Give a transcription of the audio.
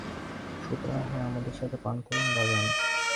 সুতরাং, হয় আমার সাথে পান করুন বা যান।